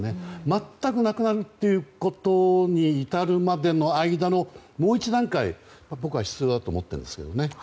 全くなくなるということに至るまでの間のもう一段階が僕は必要だと思っています。